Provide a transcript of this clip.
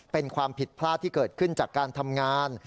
เป็นความผิดพลาดที่เกิดขึ้นจากการทำงาน